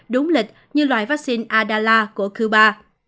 đúng lịch như loại vaccine adala của cuba